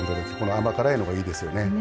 甘辛いのがいいですよね。